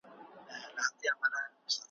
غدار دواړو ته او دوی غدار ته غله وه ,